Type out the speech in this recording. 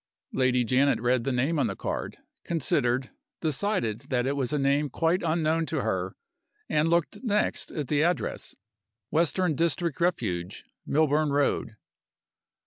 Lady Janet read the name on the card considered decided that it was a name quite unknown to her and looked next at the address: "Western District Refuge, Milburn Road."